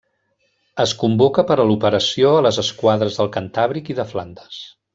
Es convoca per a l'operació a les esquadres del Cantàbric i de Flandes.